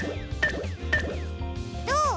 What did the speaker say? どう？